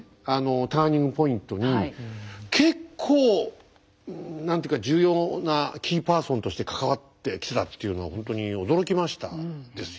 ターニングポイントに結構何ていうか重要なキーパーソンとして関わってきてたっていうのはほんとに驚きましたですよ。